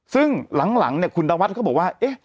ซึ่งหลังเนี่ยคุณดาวัสก็บอกว่า